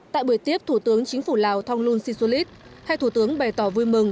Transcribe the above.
tại buổi tiếp thủ tướng chính phủ lào thonglun sisulit hay thủ tướng bày tỏ vui mừng